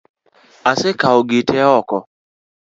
Asekawo gite ok.